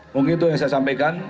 mungkin itu yang saya sampaikan